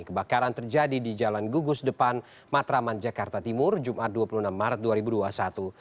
kebakaran terjadi di jalan gugus depan matraman jakarta timur jumat dua puluh enam maret dua ribu dua puluh satu